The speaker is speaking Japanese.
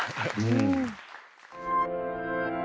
うん。